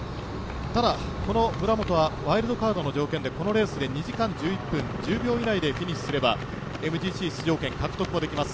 ただ、この村本はワイルドカードの条件でこのレースで２時間１１分１０秒以内でフィニッシュすればＭＧＣ出場権獲得はできます。